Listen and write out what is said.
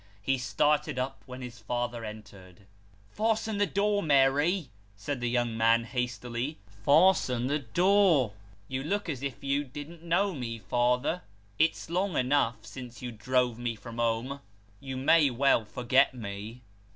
He started up when his father entered. " Fasten the door, Mary," said the young man hastily " Fasten the door. You look as if you didn't know me, father. It's long enough, since you drove me from home ; you may well forget me."